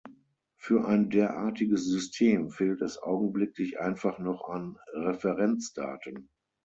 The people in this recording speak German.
Für ein derartiges System fehlt es augenblicklich einfach noch an Referenzdaten.